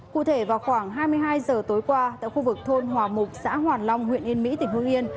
cụ thể vào khoảng hai mươi hai giờ tối qua tại khu vực thôn hòa mục xã hoàn long huyện yên mỹ tỉnh hương yên